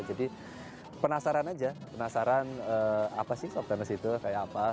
jadi penasaran aja penasaran apa sih soft tennis itu kayak apa